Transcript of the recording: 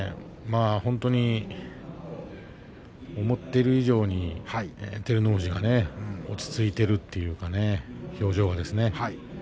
本当に思っている以上に照ノ富士が落ち着いているというかね表情がですね